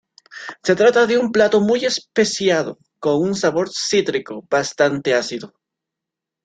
Se trata de un plato muy especiado con un sabor cítrico bastante ácido.